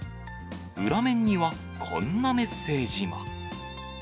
裏面には、こんなメッセージも。